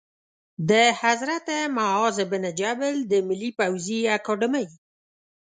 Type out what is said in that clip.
د حضرت معاذ بن جبل د ملي پوځي اکاډمۍ